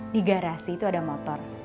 di garasi itu ada motor